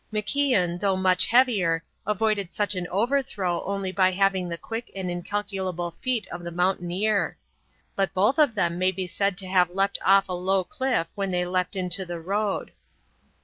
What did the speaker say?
MacIan, though much heavier, avoided such an overthrow only by having the quick and incalculable feet of the mountaineer; but both of them may be said to have leapt off a low cliff when they leapt into the road.